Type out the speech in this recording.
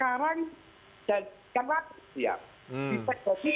jadi menghilangkan sekolah favorit itu loh